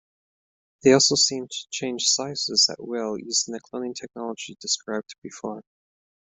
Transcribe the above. They also seem to change sizes at will using the cloning technology described before.